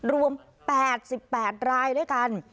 รวม๘๘รายด้วยกัน